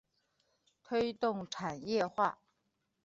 推动产业化